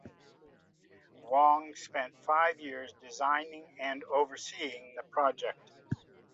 Wong spent five years designing and overseeing the project.